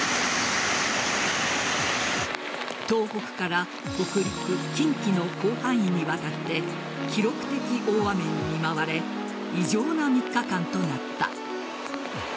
東北から北陸近畿の広範囲にわたって記録的大雨に見舞われ異常な３日間となった。